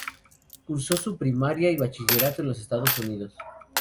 Cursó su primaria y bachillerato en Estados Unidos.